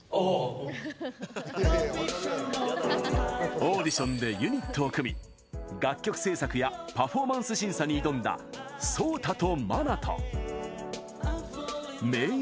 オーディションでユニットを組み、楽曲制作やパフォーマンス審査に挑んだＳＯＴＡとＭＡＮＡＴＯ。